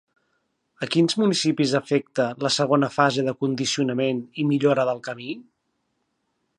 A quins municipis afecta la segona fase de condicionament i millora del camí?